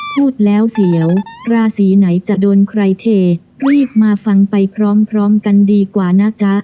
พูดแล้วเสียวราศีไหนจะโดนใครเทรีบมาฟังไปพร้อมกันดีกว่านะจ๊ะ